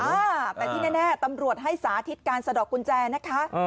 อ่าแต่ที่แน่ตำรวจให้สาธิตการสะดอกกุญแจนะคะ